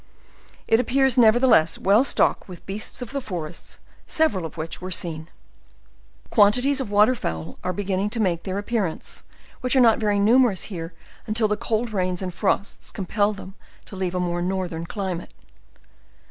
It appears, nevertheless, well stocked with the beasts of the focest, several of which were seen. 188 JOURNAL OF Quantities of water fowl are beginning to make their ap pearance, which are not very numerous here until the cold rains and frosts compel them to leave a more northern cli mate.